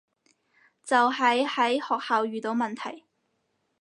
就係喺學校遇到問題